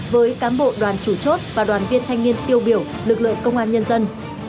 với cám bộ đoàn chủ chốt và đoàn viên thanh niên tiêu biểu lực lượng công an nhân dân